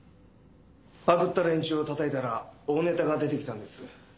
パクった連中をたたいたら大ネタが出てきたんです。